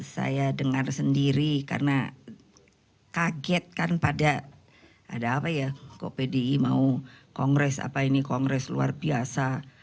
saya dengar sendiri karena kaget kan pada ada apa ya kok pdi mau kongres apa ini kongres luar biasa